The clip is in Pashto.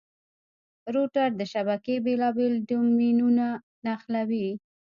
روټر د شبکې بېلابېل ډومېنونه نښلوي.